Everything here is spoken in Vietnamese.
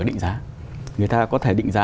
người ta có thể định giá